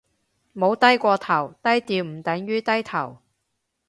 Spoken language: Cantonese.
冇低過頭，低調唔等於低頭